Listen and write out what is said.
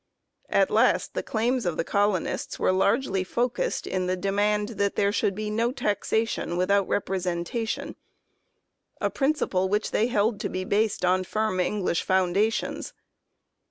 At last the claims of the colon ists were largely focussed in the demand that there should be no taxation without representation, a prin ciple which they held to be based on firm English foundations.